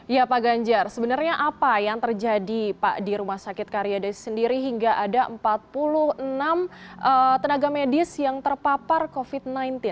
ya pak ganjar sebenarnya apa yang terjadi pak di rumah sakit karyade sendiri hingga ada empat puluh enam tenaga medis yang terpapar covid sembilan belas